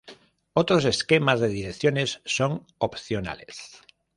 Otros esquemas de direcciones son opcionales.